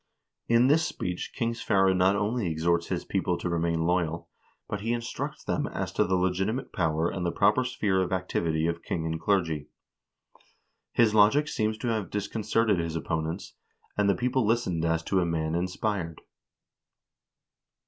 In this speech King Sverre not only exhorts his people to remain loyal, but he instructs them as to the legitimate power and the proper sphere of activity of king and clergy. His logic seems to have dis concerted his opponents, and the people listened as to a man inspired.